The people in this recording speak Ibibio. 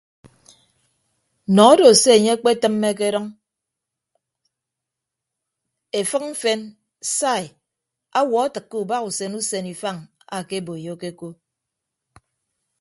Nọ odo se enye ekpetịmme akedʌñ efịk mfen sai awuọ atịkke ubahausen usen ifañ akeboiyoke ko.